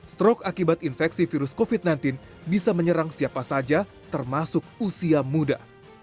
strok akibat infeksi virus covid sembilan belas bisa menyerang siapa saja termasuk usia muda